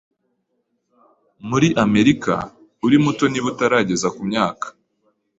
Muri Amerika, uri muto niba utarageza ku myaka .